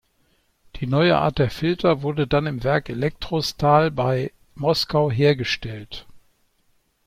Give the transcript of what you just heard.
Die neue Art der Filter wurde dann im Werk Elektrostal bei Moskau hergestellt.